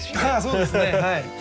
そうですね！